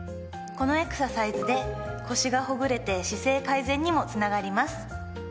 このエクササイズで腰がほぐれて姿勢改善にもつながります。